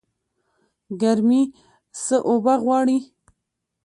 ګرمي څه اوبه غواړي؟